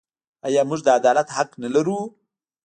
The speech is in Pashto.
آیا موږ د عدالت حق نلرو؟